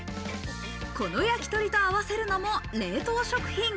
この焼き鳥と合わせるのも冷凍食品。